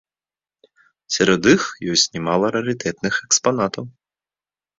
Сярод іх ёсць нямала рарытэтных экспанатаў.